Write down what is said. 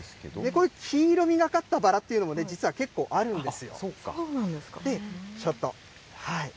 こういう黄色味がかったバラというのも、実は結構あるんですそうなんですかね。